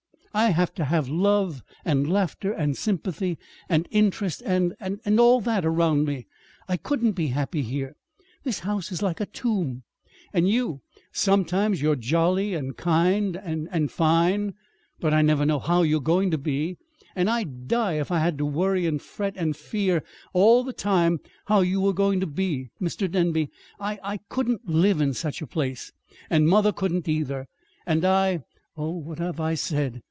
I'd have to have love and laughter and sympathy and interest and and all that around me. I couldn't be happy here. This house is like a tomb, and you sometimes you are jolly and kind and and fine. But I never know how you're going to be. And I'd die if I had to worry and fret and fear all the time how you were going to be! Mr. Denby, I I couldn't live in such a place, and mother couldn't either. And I Oh, what have I said?